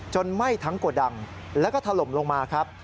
ไหม้ทั้งโกดังแล้วก็ถล่มลงมาครับ